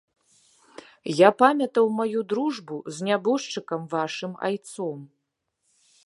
Я памятаў маю дружбу з нябожчыкам вашым айцом.